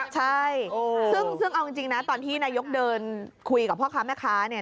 ใช่ซึ่งเอาจริงนะตอนที่นายกเดินคุยกับพ่อค้าแม่ค้าเนี่ย